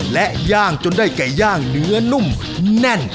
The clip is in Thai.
และย่างจนได้ไก่ย่างเนื้อนุ่มแน่น